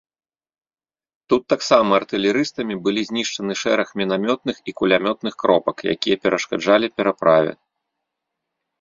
Тут таксама артылерыстамі былі знішчаны шэраг мінамётных і кулямётных кропак, якія перашкаджалі пераправе.